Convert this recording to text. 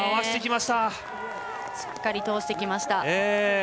しっかり通してきました。